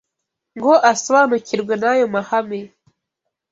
ngo asobanukirwe n’ayo mahame